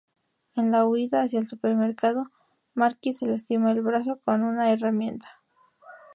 En la huida hacia el supermercado, Marky se lastima el brazo con una herramienta.